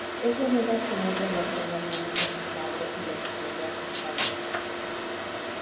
Ella niega tener relación alguna con su padre y le coquetea constantemente.